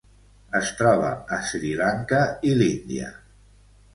Es troba a Sri Lanka i l'Índia.